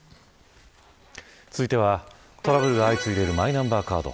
続いては、トラブルが相次いでいるマイナンバーカード。